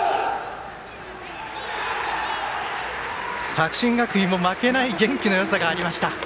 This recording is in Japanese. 作新学院も負けない元気のよさがありました。